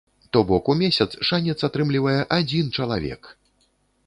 То бок, у месяц шанец атрымлівае адзін чалавек!